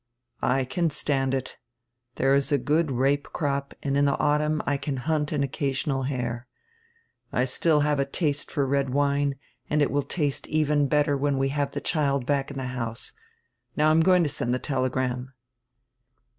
"I can stand it. There is a good rape crop and in die autumn I can hunt an occasional hare. I still have a taste for red wine, and it will taste even better when we have die child back in die house. Now I am going to send die telegram."